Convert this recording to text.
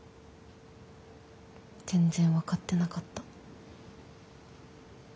全然分かってなかった。